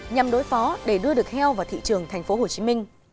nhằm đối phó để đưa được heo vào thị trường tp hcm